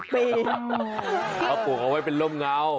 อ๋อปลูกเอาไว้เป็นลมนาว